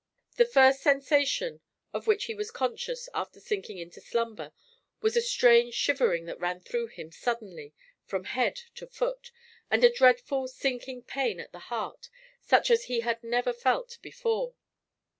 The first sensation of which he was conscious after sinking into slumber was a strange shivering that ran through him suddenly from head to foot, and a dreadful sinking pain at the heart, such as he had never felt before.